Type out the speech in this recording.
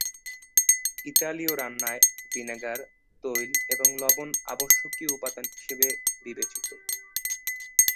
ইতালীয় রান্নায় ভিনেগার, তৈল এবং লবণ আবশ্যকীয় উপাদান হিসেবে বিবেচিত।